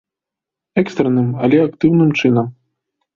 Экстранным, але актыўным чынам.